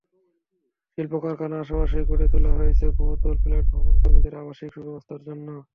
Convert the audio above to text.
শিল্পকারখানার আশপাশেই গড়ে তোলা হয়েছে বহুতল ফ্ল্যাট ভবন, কর্মীদের আবাসিক সুব্যবস্থার জন্য।